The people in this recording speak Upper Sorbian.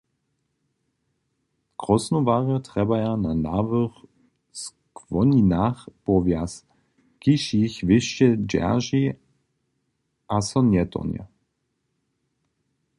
Krosnowarjo trjebaja na nahłych skłoninach powjaz, kiž jich wěsće dźerži a so njetorhnje.